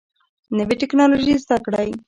نوي ټکنالوژي زده کړئ